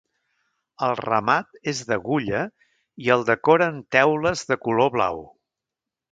El remat és d'agulla i el decoren teules de color blau.